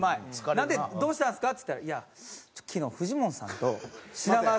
なので「どうしたんですか？」っつったら「いや昨日フジモンさんと品川さんと飲んでた」。